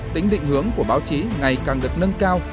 tính định hướng của báo chí ngày càng được nâng cao